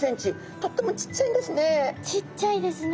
とってもちっちゃいんですね。